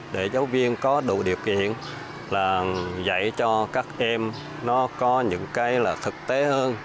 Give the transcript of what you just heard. để giáo viên có đủ điều kiện dạy cho các em có những cái thực tế hơn